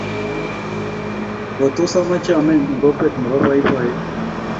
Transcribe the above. Ko tos amache ameny eng kokwet nebo beobeit